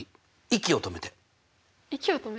息を止める？